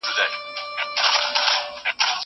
قلم د زده کوونکي له خوا استعمالوم کيږي!